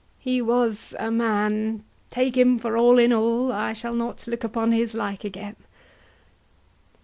HAMLET. He was a man, take him for all in all, I shall not look upon his like again.